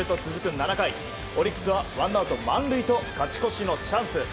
７回オリックスはワンアウト満塁と勝ち越しのチャンス。